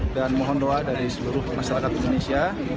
dan mohon doa dari seluruh masyarakat indonesia